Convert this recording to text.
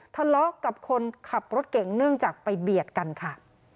ทะเลาะกับคนขับรถเก่งเนื่องจากไปเบียดกันค่ะ